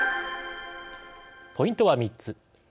ポイントは３つ。